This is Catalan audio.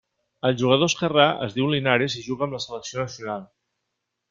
El jugador esquerrà es diu Linares i juga amb la selecció nacional.